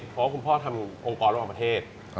เพราะว่าคุณพ่อทำองค์กรระหว่างประเทศ